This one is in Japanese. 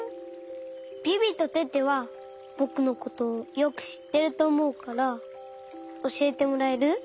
ビビとテテはぼくのことよくしってるとおもうからおしえてもらえる？